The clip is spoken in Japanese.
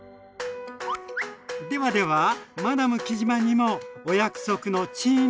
ではではマダム杵島にもお約束のチーン